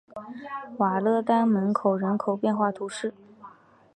瓦勒丹门人口变化图示